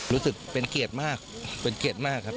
รู้สึกเป็นเกียรติมากเป็นเกียรติมากครับ